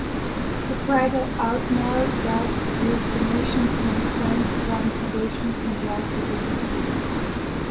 The Pride of Atmore group used donations and grants from foundations and local businesses.